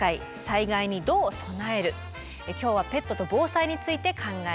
今日はペットと防災について考えます。